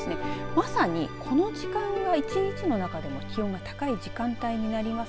まさにこの時間が一日の中で気温が高い時間帯になります。